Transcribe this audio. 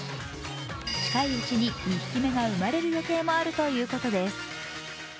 近い打ちに２匹目が生まれる予定もあるということです。